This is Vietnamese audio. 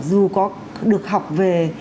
dù có được học về